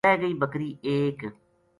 رِہ گئی بکری ایک